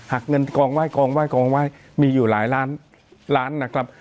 หักเงินกองไห้กองไห้กองไหว้มีอยู่หลายล้านล้านนะครับ